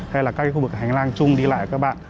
hay là các khu vực hành lang chung đi lại các bạn